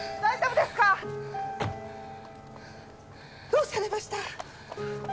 どうされました？